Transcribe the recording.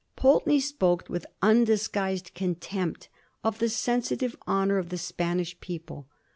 Pulteney spoke witb undisguised contempt of the sensitive honor of the Spanish people.